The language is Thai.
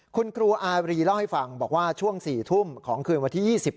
คุณครูอารีเล่าให้ฟังบอกว่าช่วง๔ทุ่มของคืนวันที่๒๐